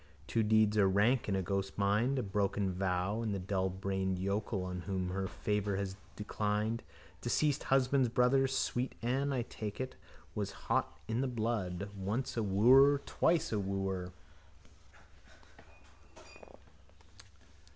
Two deeds are rank in that ghost's mind: a broken vow and the dullbrained yokel on whom her favour has declined, deceased husband's brother. Sweet Ann, I take it, was hot in the blood. Once a wooer, twice a wooer.